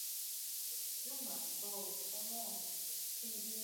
This numbering scheme is more apparent on newer acquired ships.